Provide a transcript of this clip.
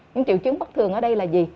những triệu chứng bất thường ở đây là gì